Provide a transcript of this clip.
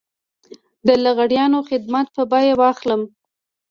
د لغړیانو خدمات په بيه واخلم.